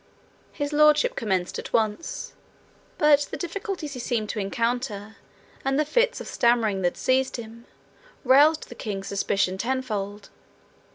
His Lordship commenced at once but the difficulties he seemed to encounter, and the fits of stammering that seized him, roused the king's suspicion tenfold.